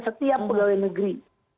setiap pegawai negeri